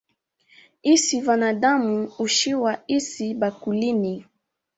Isi vanadamu huchia isi bakulini